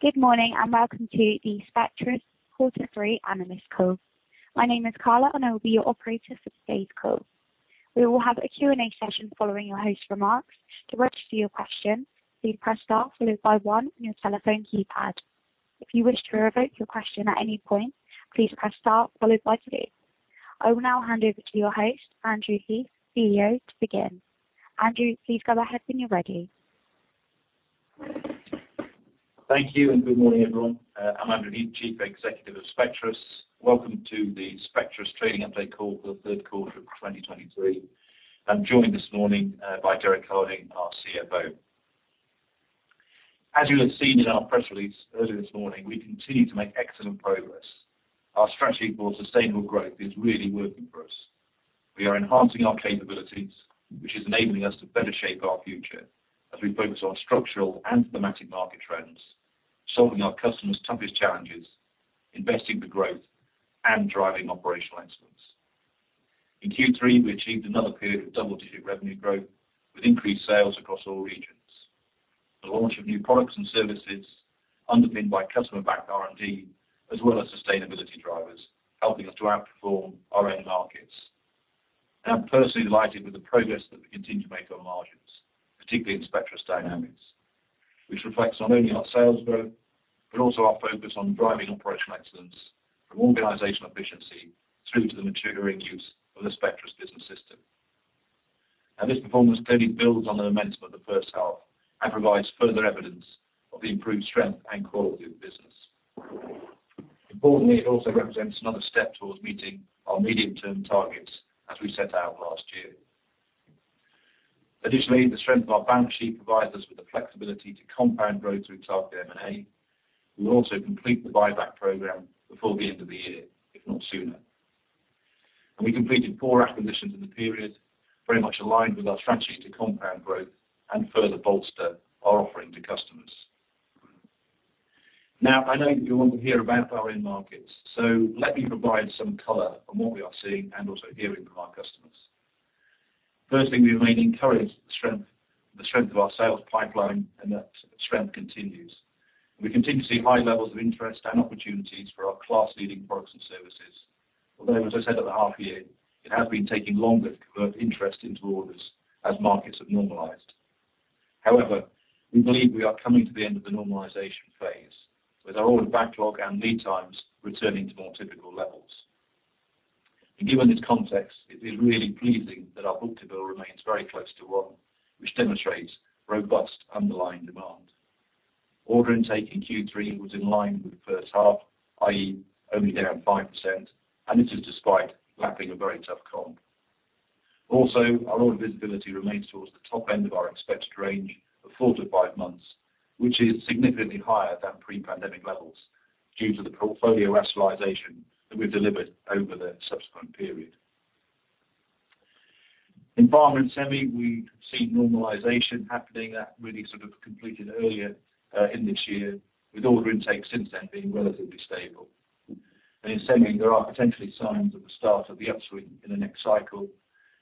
Good morning, and welcome to the Spectris Quarter Three Analyst Call. My name is Carla, and I will be your operator for today's call. We will have a Q&A session following your host's remarks. To register your question, please press star followed by one on your telephone keypad. If you wish to revoke your question at any point, please press star followed by two. I will now hand over to your host, Andrew Heath, CEO, to begin. Andrew, please go ahead when you're ready. Thank you, and good morning, everyone. I'm Andrew Heath, Chief Executive of Spectris. Welcome to the Spectris Trading Update Call for the third quarter of 2023. I'm joined this morning by Derek Harding, our CFO. As you have seen in our press release earlier this morning, we continue to make excellent progress. Our strategy for sustainable growth is really working for us. We are enhancing our capabilities, which is enabling us to better shape our future as we focus on structural and thematic market trends, solving our customers' toughest challenges, investing for growth, and driving operational excellence. In Q3, we achieved another period of double-digit revenue growth with increased sales across all regions. The launch of new products and services underpinned by customer-backed R&D, as well as sustainability drivers, helping us to outperform our end markets. I'm personally delighted with the progress that we continue to make on margins, particularly in Spectris Dynamics, which reflects not only our sales growth, but also our focus on driving operational excellence from organizational efficiency through to the maturing use of the Spectris Business System. This performance clearly builds on the momentum of the first half and provides further evidence of the improved strength and quality of the business. Importantly, it also represents another step towards meeting our medium-term targets as we set out last year. Additionally, the strength of our balance sheet provides us with the flexibility to compound growth through target M&A. We'll also complete the buyback program before the end of the year, if not sooner. We completed four acquisitions in the period, very much aligned with our strategy to compound growth and further bolster our offering to customers. Now, I know that you want to hear about our end markets, so let me provide some color on what we are seeing and also hearing from our customers. Firstly, we remain encouraged the strength, the strength of our sales pipeline, and that strength continues. We continue to see high levels of interest and opportunities for our class-leading products and services, although, as I said at the half year, it has been taking longer to convert interest into orders as markets have normalized. However, we believe we are coming to the end of the normalization phase, with our order backlog and lead times returning to more typical levels. Given this context, it is really pleasing that our book-to-bill remains very close to one, which demonstrates robust underlying demand. Order intake in Q3 was in line with the first half, i.e., only down 5%, and this is despite lapping a very tough comp. Also, our order visibility remains towards the top end of our expected range of 4-5 months, which is significantly higher than pre-pandemic levels due to the portfolio rationalization that we've delivered over the subsequent period. In pharma and semi, we've seen normalization happening. That really sort of completed earlier in this year, with order intake since then being relatively stable. And in semi, there are potentially signs of the start of the upswing in the next cycle,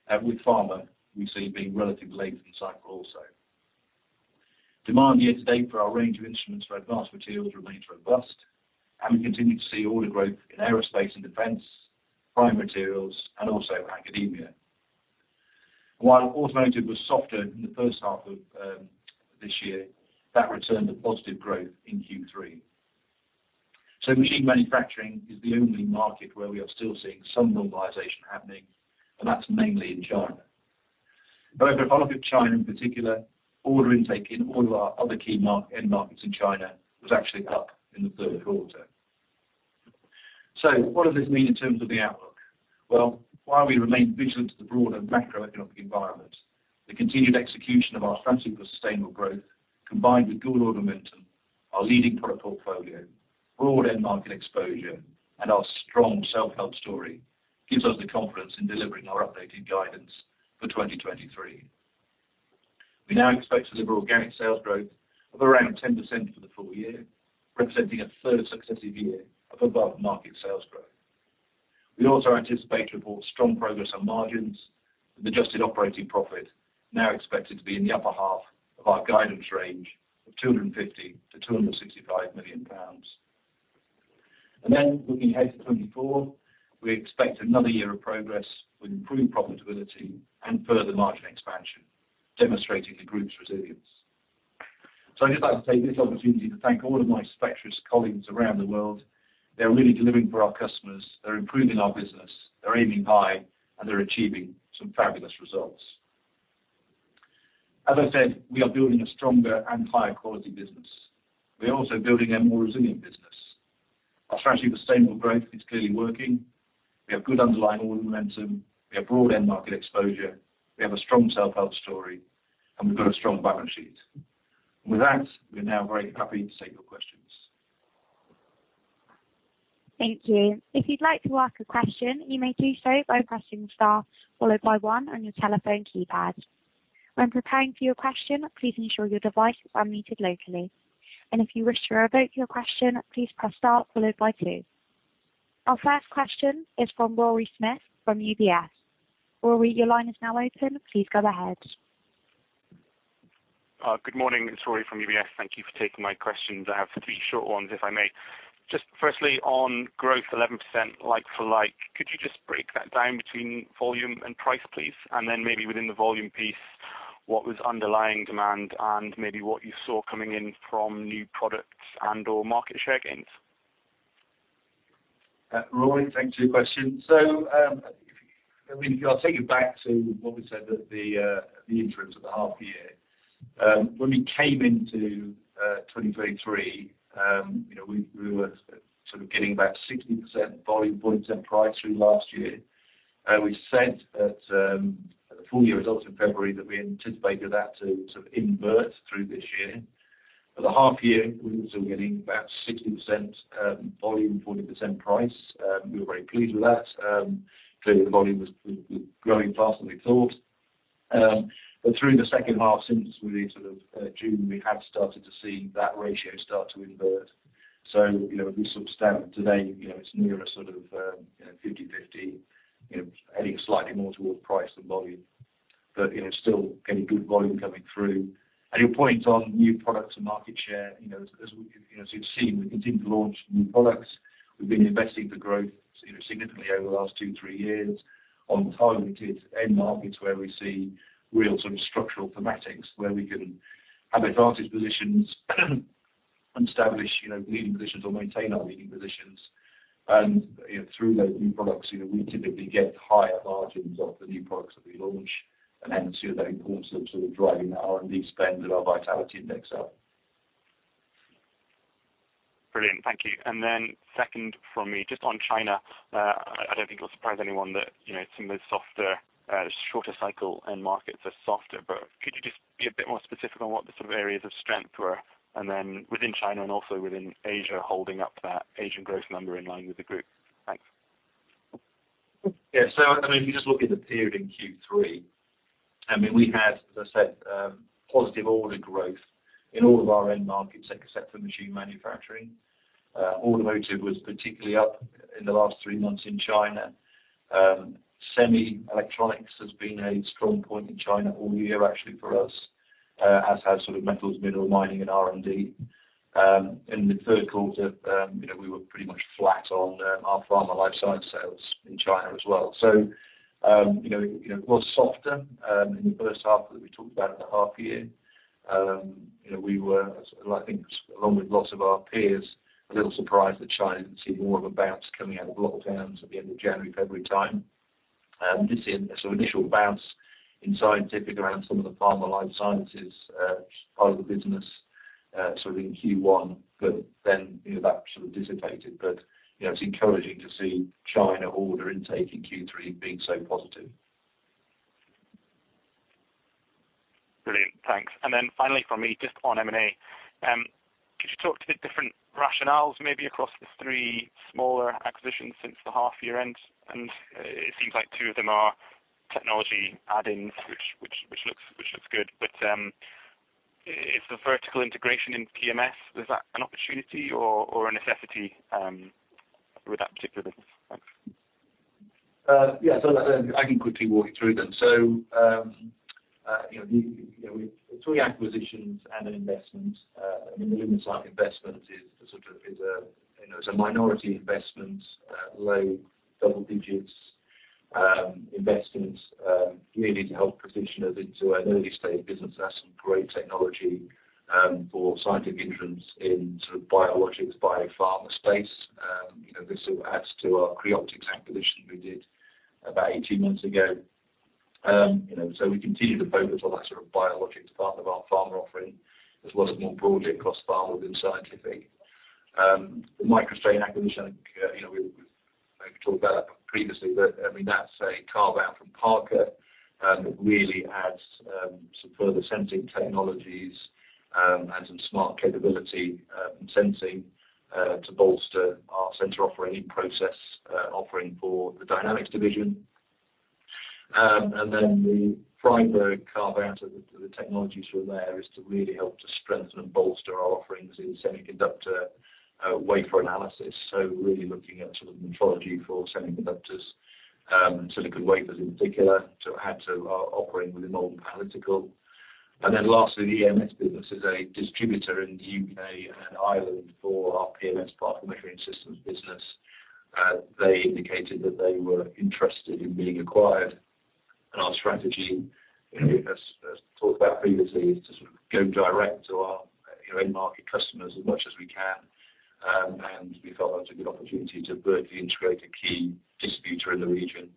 and with pharma, we see being relatively late in the cycle also. Demand year to date for our range of instruments for advanced materials remains robust, and we continue to see order growth in aerospace and defense, prime materials, and also academia. While automotive was softer in the first half of this year, that returned to positive growth in Q3. So machine manufacturing is the only market where we are still seeing some normalization happening, and that's mainly in China. But if I look at China in particular, order intake in all of our other key end markets in China was actually up in the third quarter. So what does this mean in terms of the outlook? Well, while we remain vigilant to the broader macroeconomic environment, the continued execution of our strategy for sustainable growth, combined with good order momentum, our leading product portfolio, broad end-market exposure, and our strong self-help story, gives us the confidence in delivering our updated guidance for 2023. We now expect to deliver organic sales growth of around 10% for the full year, representing a third successive year of above-market sales growth. We also anticipate to report strong progress on margins, and adjusted operating profit now expected to be in the upper half of our guidance range of 250 million-265 million pounds. And then, looking ahead to 2024, we expect another year of progress with improved profitability and further margin expansion, demonstrating the group's resilience. So I'd just like to take this opportunity to thank all of my Spectris colleagues around the world. They're really delivering for our customers, they're improving our business, they're aiming high, and they're achieving some fabulous results. As I said, we are building a stronger and higher quality business. We are also building a more resilient business. Our strategy for sustainable growth is clearly working. We have good underlying order momentum, we have broad end-market exposure, we have a strong self-help story, and we've got a strong balance sheet. With that, we are now very happy to take your questions. Thank you. If you'd like to ask a question, you may do so by pressing star, followed by one on your telephone keypad. When preparing for your question, please ensure your devices are muted locally. If you wish to revoke your question, please press star followed by two.... Our first question is from Rory Smith from UBS. Rory, your line is now open. Please go ahead. Good morning, it's Rory from UBS. Thank you for taking my questions. I have three short ones, if I may. Just firstly, on growth 11% like, could you just break that down between volume and price, please? And then maybe within the volume piece, what was underlying demand, and maybe what you saw coming in from new products and/or market share gains. Rory, thanks for your question. So, I mean, I'll take you back to what we said at the interim of the half year. When we came into 2023, you know, we were sort of getting about 60% volume, 40% price through last year. We said that at the full year results in February, that we anticipated that to sort of invert through this year. At the half year, we were still getting about 60% volume, 40% price. We were very pleased with that. Clearly, the volume was growing faster than we thought. But through the second half, since really sort of June, we have started to see that ratio start to invert. So, you know, if we sort of stand today, you know, it's nearer sort of, you know, 50/50, you know, adding slightly more towards price than volume. But, you know, still getting good volume coming through. And your point on new products and market share, you know, as we, as you've seen, we continue to launch new products. We've been investing for growth, you know, significantly over the last two, three years on targeted end markets, where we see real sort of structural thematics, where we can have advantage positions, and establish, you know, leading positions or maintain our leading positions. And, you know, through those new products, you know, we typically get higher margins off the new products that we launch. And then two, that importance of sort of driving our R&D spend and our Vitality Index up. Brilliant, thank you. And then second for me, just on China, I don't think it will surprise anyone that, you know, some of the softer, shorter cycle end markets are softer, but could you just be a bit more specific on what the sort of areas of strength were? And then within China and also within Asia, holding up that Asian growth number in line with the group. Thanks. Yeah, so I mean, if you just look in the period in Q3, I mean, we had, as I said, positive order growth in all of our end markets, except for machine manufacturing. Automotive was particularly up in the last three months in China. Semi electronics has been a strong point in China all year, actually, for us, as has sort of metals, mineral mining and R&D. In the third quarter, you know, we were pretty much flat on our pharma life science sales in China as well. So, you know, it was softer in the first half that we talked about in the half year. You know, we were, I think along with lots of our peers, a little surprised that China didn't see more of a bounce coming out of lockdowns at the end of January, February time. Did see a sort of initial bounce in Scientific around some of the pharma life sciences part of the business, sort of in Q1, but then, you know, that sort of dissipated. But, you know, it's encouraging to see China order intake in Q3 being so positive. Brilliant, thanks. And then finally for me, just on M&A. Could you talk to the different rationales, maybe across the three smaller acquisitions since the half year end? And it seems like two of them are technology add-ins, which looks good. But, is the vertical integration in PMS, is that an opportunity or a necessity with that particular business? Thanks. Yeah, so I can quickly walk you through them. So, you know, the, you know, three acquisitions and an investment, I mean, the LumaCyte investment is sort of is a, you know, it's a minority investment, low double digits, investment, really to help position us into an early stage business. That's some great technology, for Scientific entrants in sort of biologics, biopharma space. You know, this sort of adds to our Creoptix acquisition we did about 18 months ago. You know, so we continue to focus on that sort of biologics part of our pharma offering, as well as more broadly across pharma within Scientific. The MicroStrain acquisition, I think, you know, we talked about that previously, but I mean, that's a carve out from Parker, that really adds some further sensing technologies, and some smart capability, sensing, to bolster our sensor offering in process offering for the Dynamics division. And then the Freiberg carve out of the technologies from there is to really help to strengthen and bolster our offerings in semiconductor wafer analysis. So really looking at sort of metrology for semiconductors, silicon wafers in particular, to add to our offering within Malvern Panalytical. And then lastly, the EMS business is a distributor in the UK and Ireland for our PMS, Particle Measuring Systems business. They indicated that they were interested in being acquired. Our strategy, you know, as talked about previously, is to sort of go direct to our, you know, end market customers as much as we can. We thought that was a good opportunity to vertically integrate a key distributor in the region.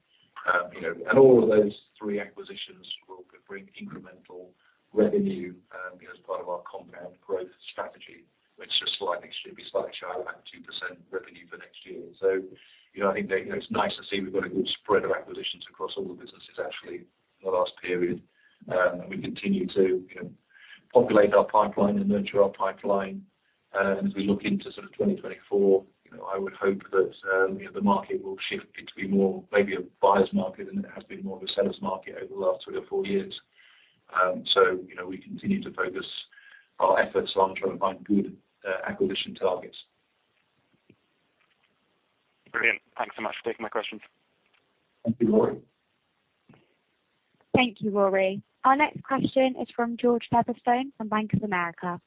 You know, all of those three acquisitions will bring incremental revenue, as part of our compound growth strategy, which are slightly, should be slightly shy of about 2% revenue for next year. So, you know, I think that, you know, it's nice to see we've got a good spread of acquisitions across all the businesses actually, in the last period. We continue to, you know, populate our pipeline and nurture our pipeline. As we look into sort of 2024, you know, I would hope that, you know, the market will shift it to be more maybe a buyer's market than it has been more of a seller's market over the last 3-4 years. So, you know, we continue to focus our efforts on trying to find good acquisition targets. Brilliant. Thanks so much for taking my questions. Thank you, Rory. Thank you, Rory. Our next question is from George Featherstone from Bank of America.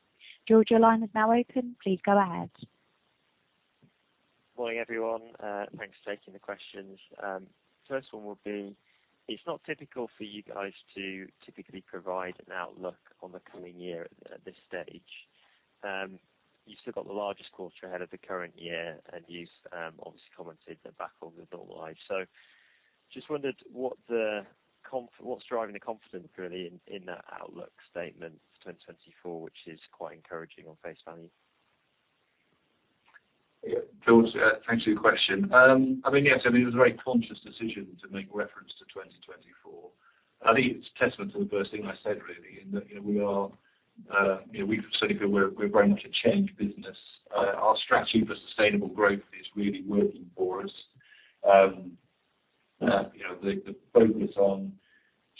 George, your line is now open. Please go ahead. Morning, everyone. Thanks for taking the questions. First one will be, it's not typical for you guys to typically provide an outlook on the coming year at this stage. You've still got the largest quarter ahead of the current year, and you've obviously commented that backlog is normalized. So just wondered what's driving the confidence really in that outlook statement for 2024, which is quite encouraging on face value? Yeah, George, thanks for your question. I mean, yes, I think it was a very conscious decision to make reference to 2024. I think it's a testament to the first thing I said, really, in that, you know, we are, you know, we certainly feel we're, we're very much a change business. Our strategy for sustainable growth is really working for us. You know, the focus on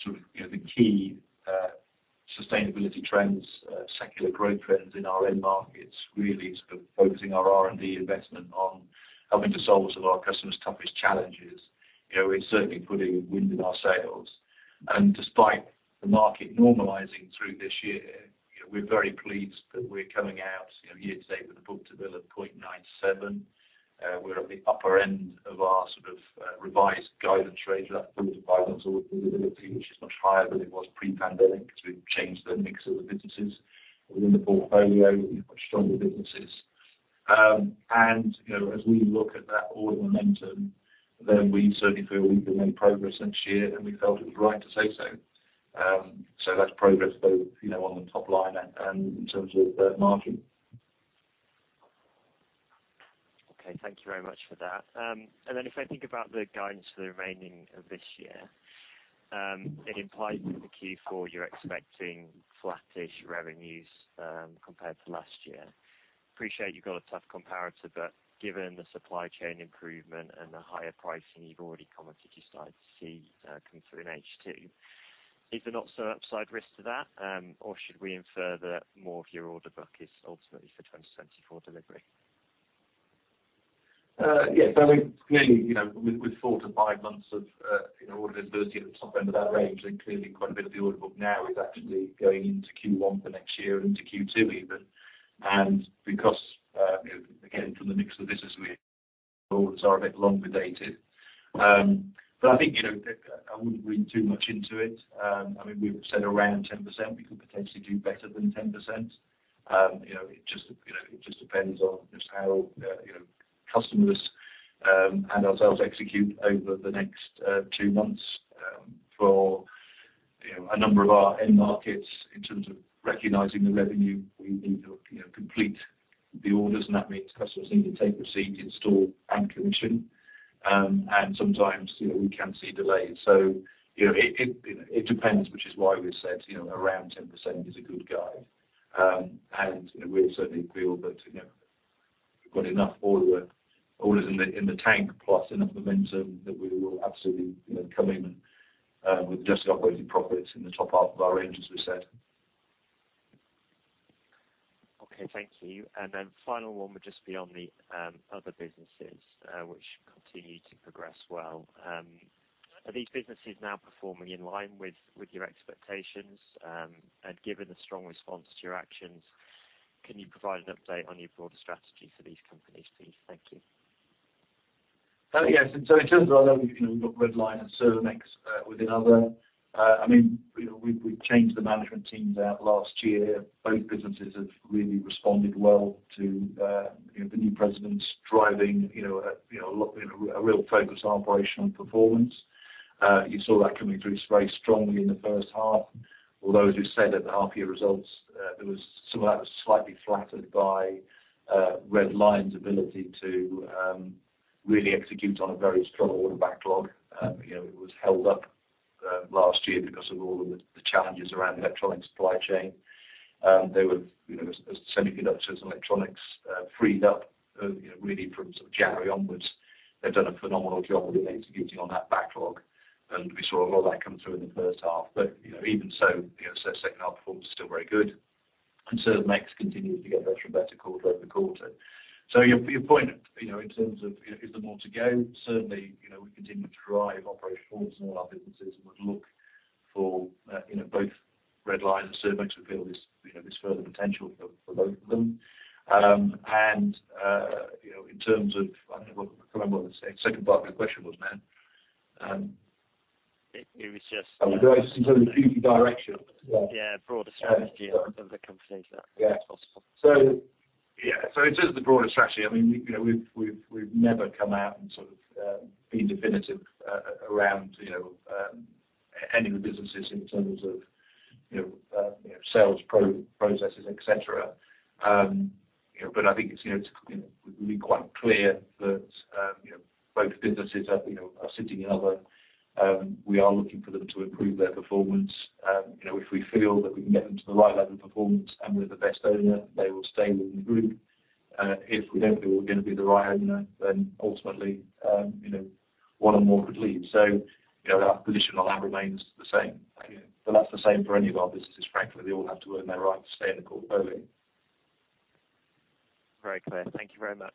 sort of, you know, the key sustainability trends, secular growth trends in our end markets, really sort of focusing our R&D investment on helping to solve some of our customers' toughest challenges. You know, it's certainly putting wind in our sails, and despite the market normalizing through this year, you know, we're very pleased that we're coming out, you know, year to date with a book-to-bill of 0.97. We're at the upper end of our sort of revised guidance range, that book-to-bill guidance or visibility, which is much higher than it was pre-pandemic, because we've changed the mix of the businesses within the portfolio. We've got stronger businesses. And, you know, as we look at that order momentum, then we certainly feel we've been making progress since year, and we felt it was right to say so. So that's progress both, you know, on the top line and in terms of the margin. Okay, thank you very much for that. And then if I think about the guidance for the remaining of this year, it implies that in the Q4 you're expecting flattish revenues, compared to last year. Appreciate you've got a tough comparator, but given the supply chain improvement and the higher pricing you've already commented, you started to see come through in H2. Is there not some upside risk to that, or should we infer that more of your order book is ultimately for 2024 delivery? Yeah, so I mean, clearly, you know, with, with four to five months of, you know, order visibility at the top end of that range, and clearly quite a bit of the order book now is actually going into Q1 for next year and to Q2 even. And because, you know, again, from the mix of business, we orders are a bit longer dated. But I think, you know, I wouldn't read too much into it. I mean, we've said around 10%, we could potentially do better than 10%. You know, it just, you know, it just depends on just how, you know, customers, and ourselves execute over the next, two months. For, you know, a number of our end markets in terms of recognizing the revenue we need to, you know, complete the orders, and that means customers need to take receipt, install, and commission. And sometimes, you know, we can see delays. So, you know, it depends, which is why we said, you know, around 10% is a good guide. And, you know, we certainly feel that, you know, we've got enough orders in the tank, plus enough momentum that we will absolutely, you know, come in with adjusted operating profits in the top half of our range, as we said. Okay, thank you. And then final one would just be on the other businesses, which continue to progress well. Are these businesses now performing in line with your expectations? And given the strong response to your actions, can you provide an update on your broader strategy for these companies, please? Thank you. Yes. So in terms of, you know, Red Lion and Servomex within other, I mean, you know, we, we've changed the management teams out last year. Both businesses have really responded well to, you know, the new presidents driving, you know, a real focus on operational performance. You saw that coming through very strongly in the first half. Although, as you said, at the half year results, there was some of that was slightly flattered by Red Lion's ability to really execute on a very strong order backlog. You know, it was held up last year because of all of the challenges around the electronic supply chain. They would, you know, as semiconductors and electronics freed up, you know, really from sort of January onwards. They've done a phenomenal job of executing on that backlog, and we saw a lot of that come through in the first half. But, you know, even so, you know, so second half performance is still very good, and Servomex continues to get better and better quarter-over-quarter. So your, your point, you know, in terms of, you know, is there more to go? Certainly, you know, we continue to drive operational performance in all our businesses and would look for, you know, both Red Lion and Servomex to build this, you know, this further potential for both of them. And, you know, in terms of... I can't remember what the second part of your question was now. It was just- In terms of future direction? Yeah, broader strategy of the company, if that's possible. So yeah, so in terms of the broader strategy, I mean, we, you know, we've never come out and sort of been definitive around, you know, any of the businesses in terms of, you know, sales processes, et cetera. You know, but I think it's, you know, it's, you know, we're quite clear that, you know, both businesses are, you know, are sitting in other, we are looking for them to improve their performance. You know, if we feel that we can get them to the right level of performance and we're the best owner, they will stay within the group. If we don't feel we're gonna be the right owner, then ultimately, you know, one or more could leave. So, you know, our position on that remains the same. Thank you. But that's the same for any of our businesses, frankly. They all have to earn their right to stay in the portfolio. Very clear. Thank you very much.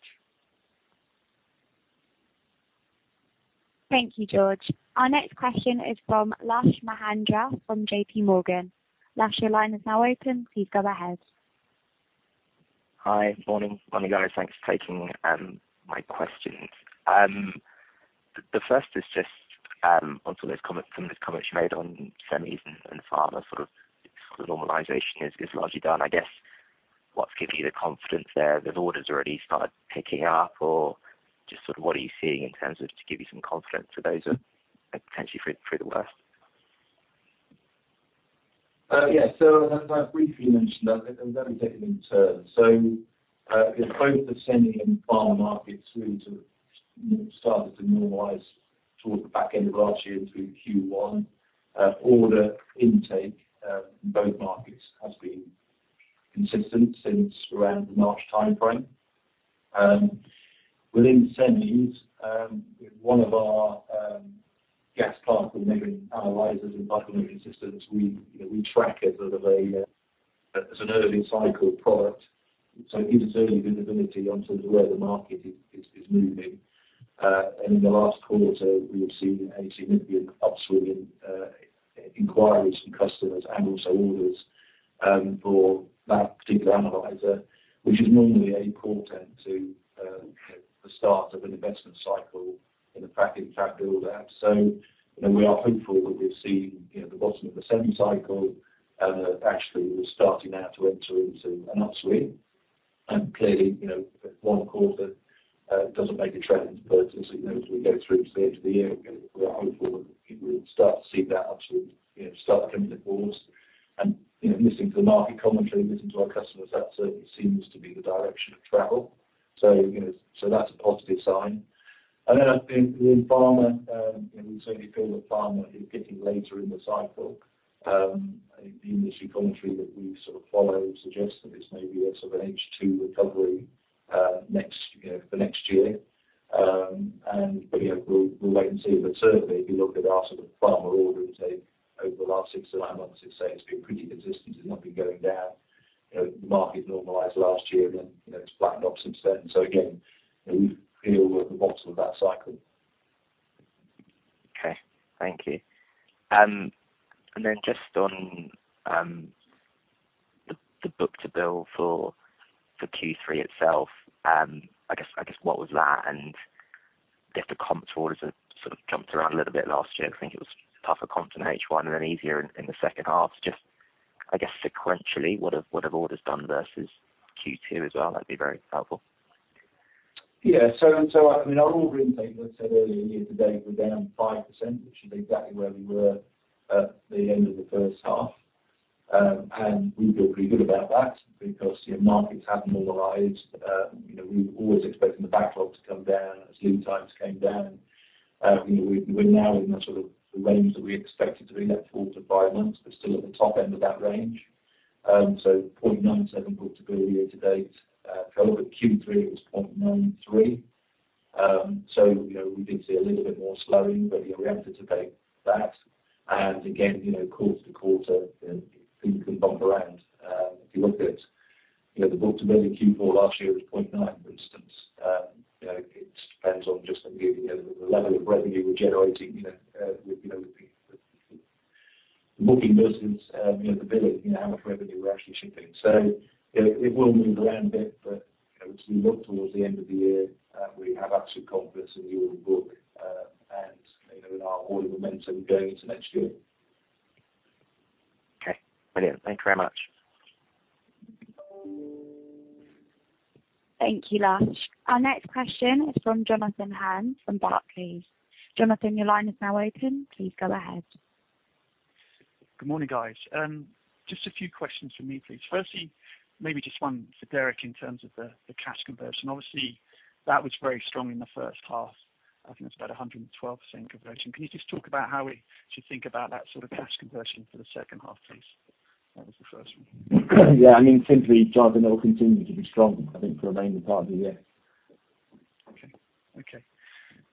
Thank you, George. Our next question is from Lush Mahendrarajah, from JPMorgan. Lush, your line is now open. Please go ahead. Hi. Morning, guys. Thanks for taking my questions. The first is just on some of those comments you made on semis and pharma, sort of the normalization is largely done. I guess, what's giving you the confidence there, those orders already started picking up, or just sort of what are you seeing in terms of to give you some confidence that those are potentially through the worst? Yeah, so as I briefly mentioned, let me take it in turn. So, both the semi and pharma markets really sort of started to normalize towards the back end of last year through Q1. Order intake in both markets has been consistent since around the March timeframe. Within semis, one of our gas analyzers and bioanalysis systems, we, you know, we track it as sort of as an early cycle product, so it gives early visibility on sort of where the market is moving. And in the last quarter, we have seen a significant upswing in inquiries from customers, and also orders, for that particular analyzer, which is normally a portent to the start of an investment cycle in fab build-out. So, you know, we are hopeful that we've seen, you know, the bottom of the semi cycle, and actually we're starting now to enter into an upswing. And clearly, you know, one quarter doesn't make a trend, but as you know, as we go through to the end of the year, we're hopeful that people will start to see that upswing, you know, start coming boards and, you know, listening to the market commentary, listening to our customers, that certainly seems to be the direction of travel. So, you know, so that's a positive sign. And then I think within pharma, you know, we certainly feel that pharma is getting later in the cycle. The industry commentary that we've sort of followed suggests that this may be a sort of an H2 recovery, next, you know, for next year. We'll wait and see. But certainly, if you look at our sort of pharma order intake over the last 6-9 months, it's safe to say it's been pretty consistent, it's not been going down. You know, the market normalized last year, then, you know, it's flattened off since then. So again, we feel we're at the bottom of that cycle. Okay. Thank you. And then just on the book-to-bill for Q3 itself, I guess what was that? And if the comp orders have sort of jumped around a little bit last year, I think it was tougher comp in H1 and then easier in the second half. Just, I guess, sequentially, what have orders done versus Q2 as well? That'd be very helpful. Yeah. So, I mean, our order intake, I said earlier, year to date, we're down 5%, which is exactly where we were at the end of the first half. And we feel pretty good about that because, you know, markets have normalized. You know, we were always expecting the backlog to come down as lead times came down. We're now in the sort of range that we expected to be at 4-5 months, but still at the top end of that range. So 0.97 book-to-bill year to date. If you look at Q3, it was 0.93. So, you know, we did see a little bit more slowing, but, you know, we anticipated that. And again, you know, quarter-to-quarter, things can bump around. If you look at, you know, the book-to-bill in Q4 last year was 0.9, for instance. You know, it depends on just the level of revenue we're generating, you know, the booking business, you know, the billing, you know, how much revenue we're actually shipping. So, you know, it will move around a bit, but, you know, as we look towards the end of the year, we have absolute confidence in the order book, and, you know, in our order momentum going into next year. Okay, brilliant. Thank you very much. Thank you, Lush. Our next question is from Jonathan Hurn from Barclays. Jonathan, your line is now open. Please go ahead. Good morning, guys. Just a few questions from me, please. Firstly, maybe just one for Derek in terms of the cash conversion. Obviously, that was very strong in the first half. I think it's about 112% conversion. Can you just talk about how we should think about that sort of cash conversion for the second half, please? That was the first one. Yeah, I mean, simply, Jonathan, it will continue to be strong, I think, for the remaining part of the year. Okay. Okay.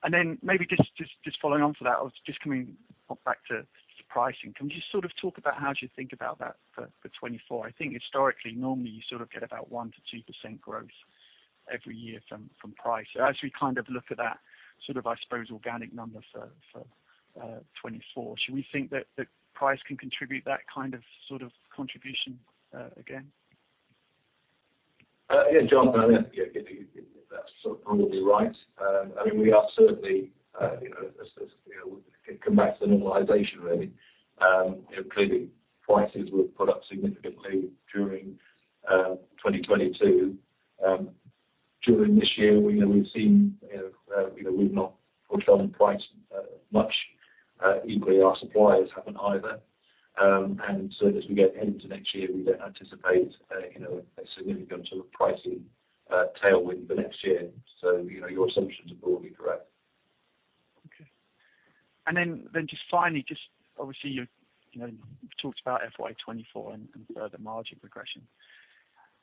And then maybe just following on from that, I was just coming back to pricing. Can you just sort of talk about how you think about that for 2024? I think historically, normally you sort of get about 1%-2% growth every year from price. As we kind of look at that, sort of, I suppose, organic number for 2024, should we think that price can contribute that kind of, sort of contribution again? Yeah, Jonathan, I think if you... That's sort of probably right. I mean, we are certainly, you know, as, you know, it comes back to normalization, really. You know, clearly, prices were put up significantly during 2022. During this year, we know we've seen, you know, you know, we've not pushed on price much, equally, our suppliers haven't either. And so as we get into next year, we don't anticipate, you know, a significant sort of pricing tailwind for next year. So, you know, your assumption-... And then just finally, just obviously you've, you know, talked about FY 2024 and further margin progression.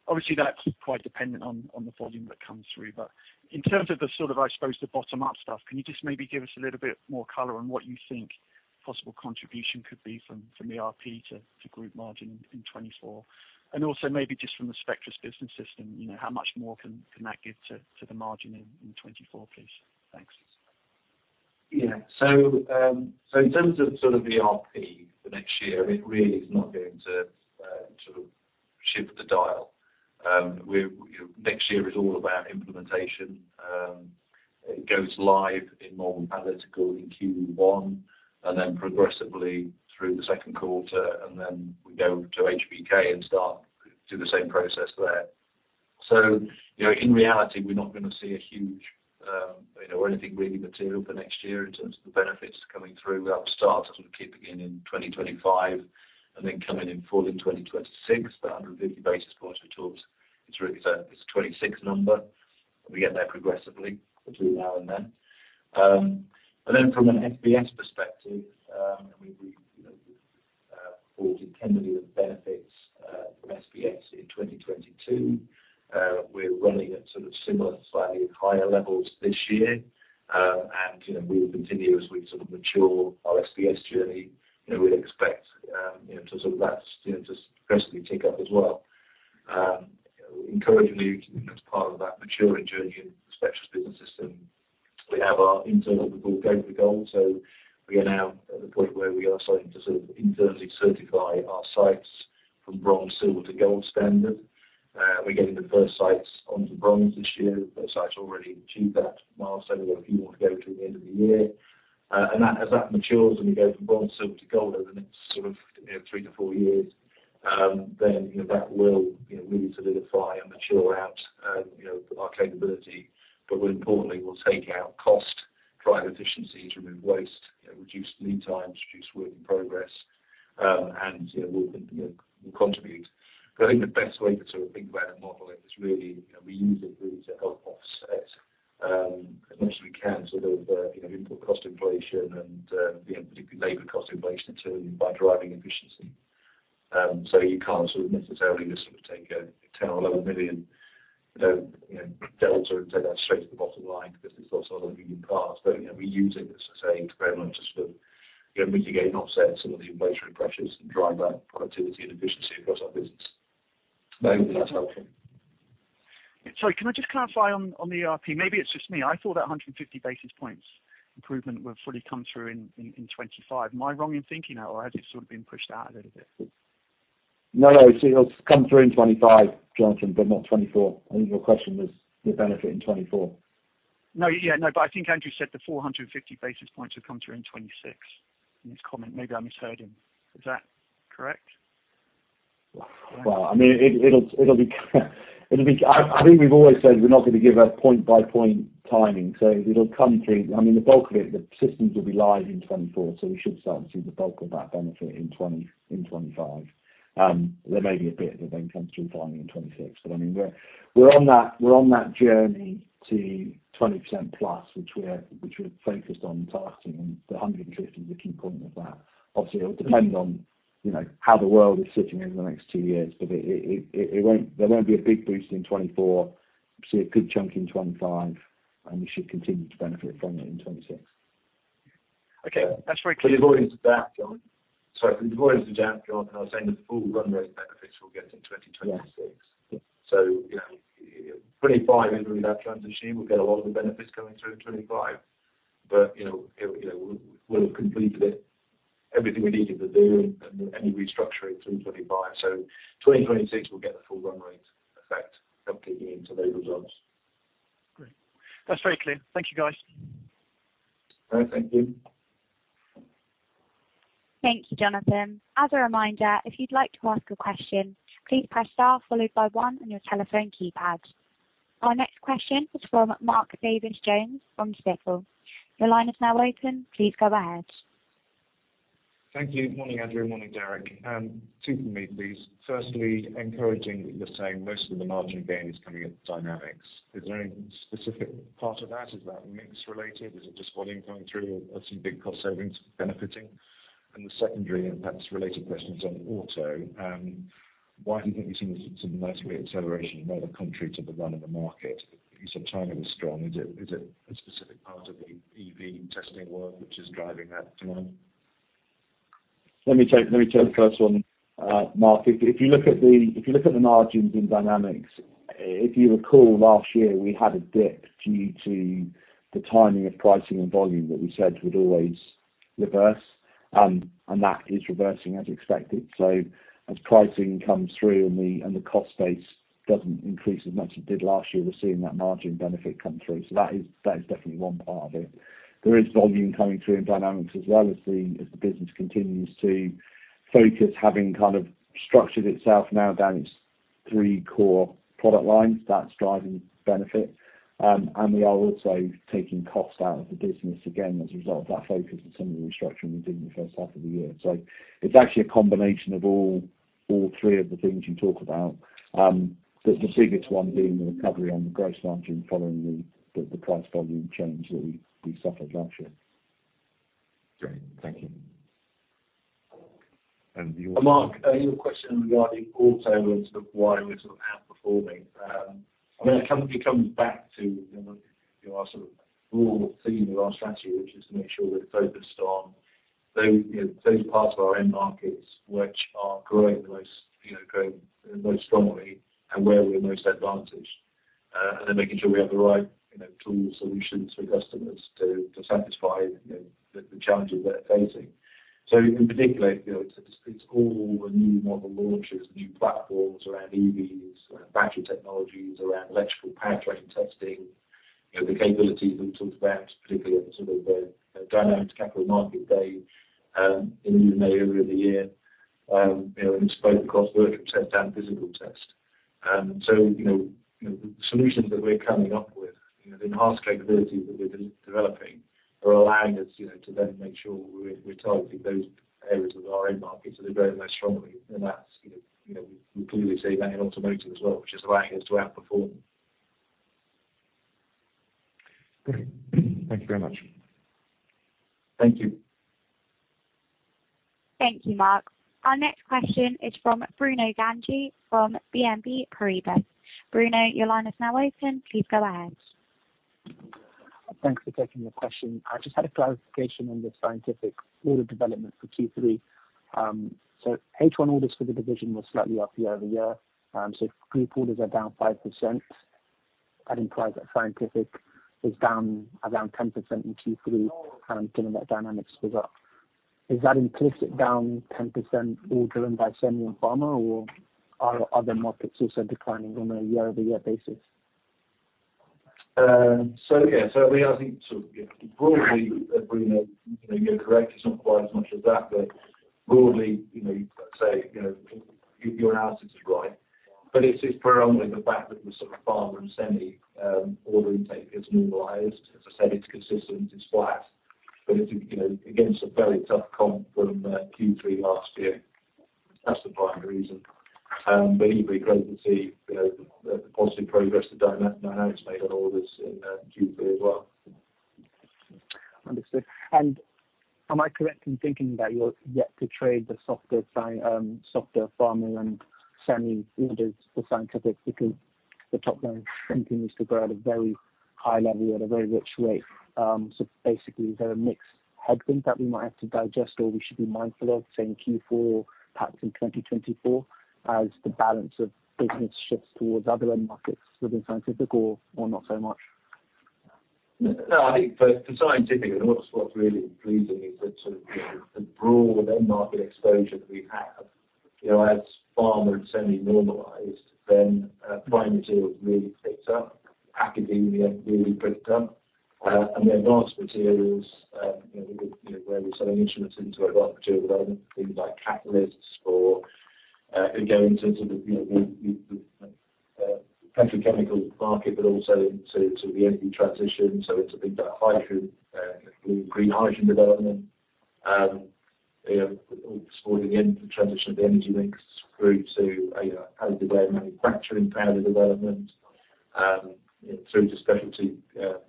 Obviously, that's quite dependent on the volume that comes through, but in terms of the sort of, I suppose, the bottom-up stuff, can you just maybe give us a little bit more color on what you think possible contribution could be from ERP to group margin in 2024? And also maybe just from the Spectris Business System, you know, how much more can that give to the margin in 2024, please? Thanks. Yeah. So, so in terms of sort of the ERP for next year, it really is not going to, sort of shift the dial. Next year is all about implementation. It goes live in Malvern Analytical in Q1, and then progressively through the second quarter, and then we go to HBK and start, do the same process there. So, you know, in reality, we're not gonna see a huge, you know, or anything really material for next year in terms of the benefits coming through. That will start sort of kicking in, in 2025, and then coming in full in 2026, the 150 basis points we talked. It's really a, it's a 2026 number, but we get there progressively between now and then. And then from an SBS perspective, I mean, we, you know, forward independently of benefits from SBS in 2022. mitigate and offset some of the inflationary pressures and drive that productivity and efficiency across our business. Maybe that's helpful. Sorry, can I just clarify on the ERP? Maybe it's just me, I thought that 150 basis points improvement would fully come through in 2025. Am I wrong in thinking that, or has it sort of been pushed out a little bit? No, no. So it'll come through in 2025, Jonathan, but not 2024. I think your question was the benefit in 2024. No. Yeah, no, but I think Andrew said the 450 basis points would come through in 2026 in his comment. Maybe I misheard him. Is that correct? Well, I mean, it'll be... I think we've always said we're not going to give a point-by-point timing, so it'll come through. I mean, the bulk of it, the systems will be live in 2024, so we should start to see the bulk of that benefit in 2025. There may be a bit that then comes through finally in 2026. But I mean, we're on that journey to 20% plus, which we're focused on targeting, and the 150 is a key point of that. Obviously, it'll depend on, you know, how the world is sitting over the next two years, but it won't. There won't be a big boost in 2024. See a good chunk in 2025, and we should continue to benefit from it in 2026. Okay, that's very clear. But adding to that, Jonathan. Sorry, adding to that, Jonathan, I was saying the full run rate benefits will get in 2026. Yeah. So, you know, 2025 is really that transition. We'll get a lot of the benefits coming through in 2025, but, you know, it, you know, we'll, we'll have completed it. Everything we needed to do and any restructuring through 2025, so 2026 will get the full run rate effect completely into the results. Great. That's very clear. Thank you, guys. All right. Thank you. Thank you, Jonathan. As a reminder, if you'd like to ask a question, please press star followed by one on your telephone keypad. Our next question is from Mark Davies Jones from Stifel. Your line is now open. Please go ahead. Thank you. Morning, Andrew, morning, Derek. Two from me, please. Firstly, encouraging you're saying most of the margin gain is coming at Dynamics. Is there any specific part of that? Is that mix related? Is it just volume coming through or some big cost savings benefiting? And the secondary, and perhaps related questions on Auto, why do you think we've seen some nice rate acceleration, rather contrary to the run of the market? You said China was strong. Is it a specific part of the EV testing work which is driving that demand? Let me take the first one, Mark. If you look at the margins in Dynamics, if you recall, last year we had a dip due to the timing of pricing and volume that we said would always reverse, and that is reversing as expected. So as pricing comes through and the cost base doesn't increase as much as it did last year, we're seeing that margin benefit come through. So that is definitely one part of it. There is volume coming through in Dynamics as well as the business continues to focus, having kind of structured itself now down its three core product lines, that's driving benefit. And we are also taking cost out of the business again, as a result of that focus and some of the restructuring we did in the first half of the year. So it's actually a combination of all three of the things you talk about. The biggest one being the recovery on the gross margin following the price volume change that we suffered last year. Great. Thank you. And you- Mark, your question regarding auto and sort of why we're sort of outperforming. I mean, it comes, it comes back to, you know, our sort of broad theme of our strategy, which is to make sure we're focused on those, you know, those parts of our end markets which are growing the most, you know, growing the most strongly and where we're most advantaged. And then making sure we have the right, you know, tools and solutions for customers to, to satisfy, you know, the, the challenges they're facing. So in particular, you know, it's, it's all the new model launches, new platforms around EVs, battery technologies, around electrical powertrain testing, you know, the capabilities we talked about, particularly at the sort of the Dynamics Capital Markets Day in May over the year. You know, and despite the cost work test and physical test. And so, you know, you know, the solutions that we're coming up with, you know, the enhanced capabilities that we're developing are allowing us, you know, to then make sure we're targeting those areas of our end markets that are growing more strongly. And that's, you know, we clearly see that in automotive as well, which is allowing us to outperform. Thank you very much. Thank you. Thank you, Mark. Our next question is from Bruno Gjani, from BNP Paribas. Bruno, your line is now open. Please go ahead. Thanks for taking the question. I just had a clarification on the Scientific order development for Q3. So H1 orders for the division were slightly up year-over-year. So if group orders are down 5%, I'd imply that Scientific is down around 10% in Q3, and given that dynamics was up. Is that implicit down 10% all driven by semi and pharma, or are other markets also declining on a year-over-year basis? So yeah, so we, I think so broadly, Bruno, you know, you're correct. It's not quite as much as that, but broadly, you know, say, you know, your analysis is right. But it's, it's primarily the fact that the sort of pharma and semi, order intake is normalized. As I said, it's consistent, it's flat, but it's, you know, against a very tough comp from, Q3 last year. That's the primary reason. But it'll be great to see, you know, the positive progress that Dynamics has made on orders in, Q3 as well. Understood. Am I correct in thinking that you're yet to trade the softer sci, softer pharma and semi orders for Scientific, because the top down continues to grow at a very high level at a very rich rate. So basically, is there a mixed headwind that we might have to digest, or we should be mindful of same Q4, perhaps in 2024, as the balance of business shifts towards other end markets within Scientific or, or not so much? No, I think for Scientific and what's really pleasing is that sort of the broad end market exposure that we have, you know, as pharma and semi normalized, then primary materials really picked up, academia really picked up, and the advanced materials, you know, where we're selling instruments into advanced material development, things like catalysts or again, in terms of the petrochemical market, but also into the energy transition. So it's a big hydrogen green hydrogen development, you know, supporting the transition of the energy mix through to a pathway manufacturing power development through to specialty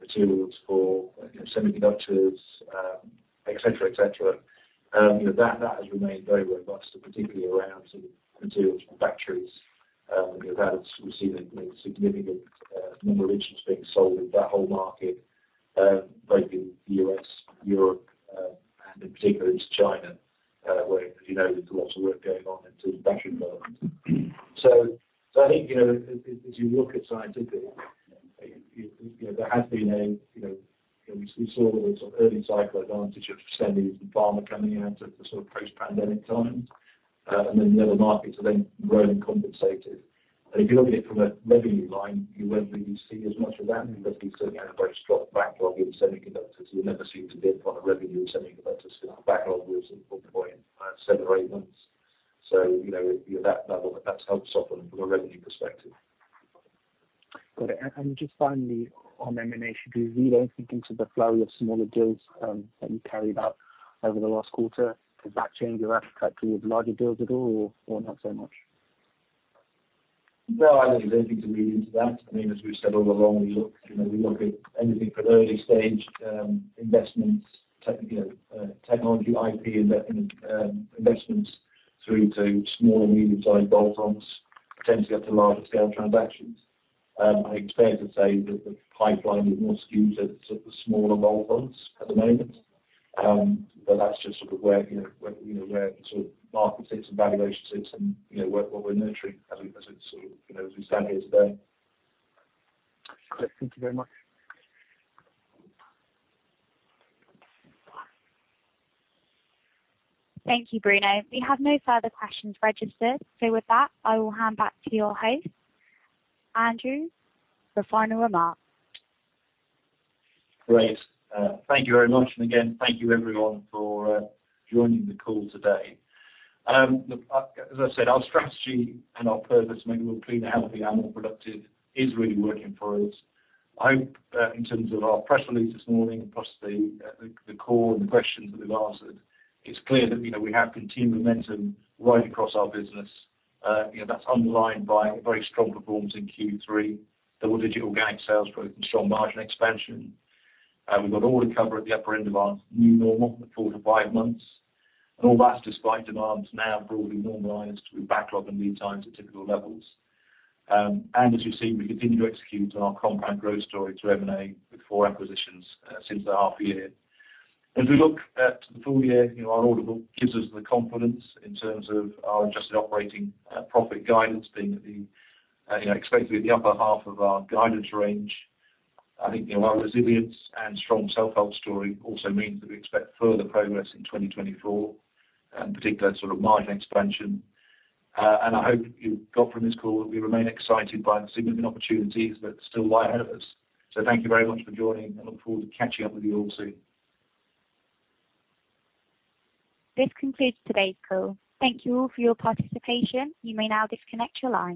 materials for, you know, semiconductors, et cetera, et cetera. You know, that has remained very robust, particularly around sort of materials for batteries. That we've seen a significant number of instruments being sold in that whole market, both in the U.S., Europe, and in particular to China, where, you know, there's lots of work going on into battery development. So I think, you know, as you look at Scientific, you know, there has been, you know, we saw the sort of early cycle advantage of semi and pharma coming out of the sort of post-pandemic times, and then the other markets are then growing compensated. And if you look at it from a revenue line, you won't really see as much of that because we still had a very strong backlog in semiconductors. You never seem to build a lot of revenue in semiconductors. Backlog was important, 7 or 8 months. You know, that level, that helps often from a revenue perspective. Got it. And just finally on M&A, do you really think into the flow of smaller deals, that you carried out over the last quarter, does that change your appetite with larger deals at all, or not so much? No, I think there's anything to read into that. I mean, as we've said all along, we look, you know, we look at anything from early stage, investments, tech, you know, technology, IP, invest, investments through to small and medium-sized add-ons, potentially up to larger scale transactions. I think it's fair to say that the pipeline is more skewed to sort the smaller add-ons at the moment. But that's just sort of where, you know, where, you know, where sort of market sits and valuations sit and, you know, where, what we're nurturing as we, as it sort of, you know, as we stand here today. Great. Thank you very much. Thank you, Bruno. We have no further questions registered. With that, I will hand back to your host, Andrew, for final remarks. Great. Thank you very much. And again, thank you everyone for joining the call today. Look, as I said, our strategy and our purpose, making the world cleaner, healthier, and more productive, is really working for us. I, in terms of our press release this morning, plus the call and the questions that we've answered, it's clear that, you know, we have continued momentum right across our business. You know, that's underlined by a very strong performance in Q3, double-digit organic sales growth and strong margin expansion. And we've got order cover at the upper end of our new normal for four to five months. And all that's despite demands now broadly normalized with backlog and lead times at typical levels. And as you've seen, we continue to execute on our compound growth story through M&A with four acquisitions since the half year. As we look at the full year, you know, our order book gives us the confidence in terms of our adjusted operating profit guidance being at the, you know, expected at the upper half of our guidance range. I think, you know, our resilience and strong self-help story also means that we expect further progress in 2024, and in particular, sort of margin expansion. And I hope you've got from this call that we remain excited by the significant opportunities that still lie ahead of us. So thank you very much for joining, and look forward to catching up with you all soon. This concludes today's call. Thank you all for your participation. You may now disconnect your lines.